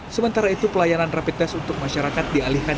sementara itu pelayanan rapi tes untuk masyarakat dialihkan